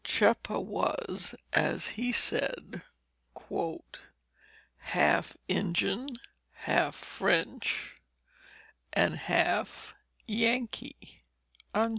Chepa was, as he said, "half Injun, half French, and half Yankee."